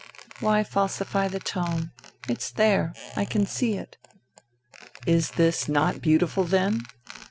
" Why falsify the tone ? It's there : I can see it." " Is this not beautiful then